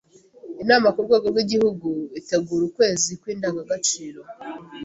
Inama ku rwego rw’Igihugu itegura ukwezikw’indangagaciro;